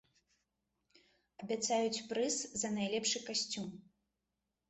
Абяцаюць прыз за найлепшы касцюм!